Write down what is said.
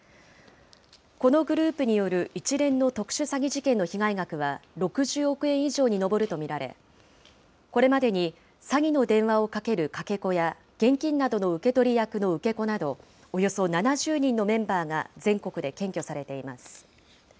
このグループによる一連の特殊詐欺技研による被害額は６０億円以上に上ると見られ、これまでに詐欺の電話をかけるかけ子や、現金などの受け取り役の受け子など、およそ７０人のメンバーが、全国で検挙されています。